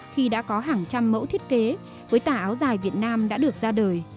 khi đã có hàng trăm mẫu thiết kế với tà áo dài việt nam đã được ra đời